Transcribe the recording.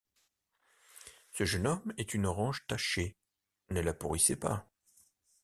Ce jeune homme est une orange tachée, ne la pourrissez pas...